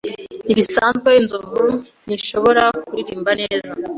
Ntibisanzwe, inzovu ntishobora kuririmba neza.